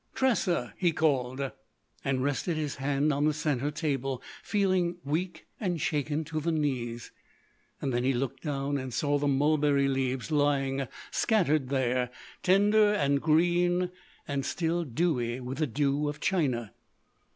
"Tressa!" he called, and rested his hand on the centre table, feeling weak and shaken to the knees. Then he looked down and saw the mulberry leaves lying scattered there, tender and green and still dewy with the dew of China.